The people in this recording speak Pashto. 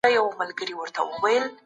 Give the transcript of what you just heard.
کوم ګوندونه په ټاکنو کي برخه اخلي؟